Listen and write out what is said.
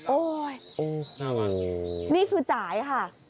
โอ้ยนี่คือจ่ายค่ะ